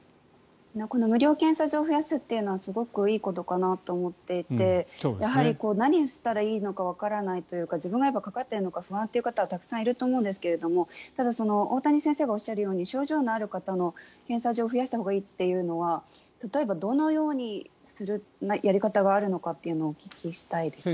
この無料検査場を増やすということはすごくいいことかなと思っていてやはり何をしたらいいのかわからないというか自分がかかっているか不安という方はたくさんいると思うんですけど大谷先生がおっしゃるように症状のある方の検査場を増やしたほうがいいっていうのは例えば、どのようにするやり方があるのかというのをお聞きしたいです。